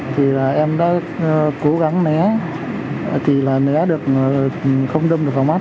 thì là em đã cố gắng né thì là né được không đâm vào mắt